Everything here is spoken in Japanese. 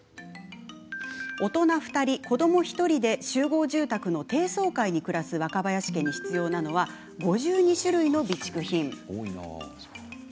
大人２人、子ども１人で集合住宅の低層階に暮らす若林家に必要なのは５２種類の備蓄品。